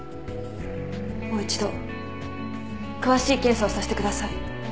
もう一度詳しい検査をさせてください。